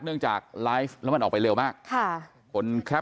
เนื่องจากไลฟ์แล้วมันออกไปเร็วมาก